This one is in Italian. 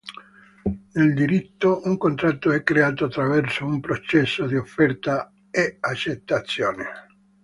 Nel diritto, un contratto è creato attraverso un processo di offerta e accettazione.